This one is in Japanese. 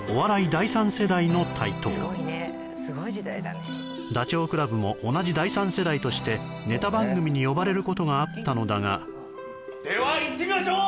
第三世代の台頭ダチョウ倶楽部も同じ第三世代としてネタ番組に呼ばれることがあったのだがではいってみましょう！